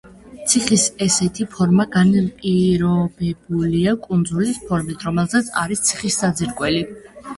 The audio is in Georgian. ციხის ესეთი ფორმა განპირობებულია კუნძულის ფორმით, რომელზეც არის ციხის საძირკველი.